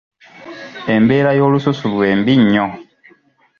Embeera y'olususu lwe mbi nnyo.